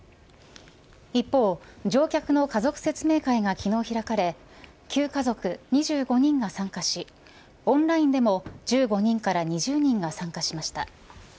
一方、乗客の家族説明会が昨日開かれ９家族２５人が参加しオンラインでも１５人から２０人が参加しました。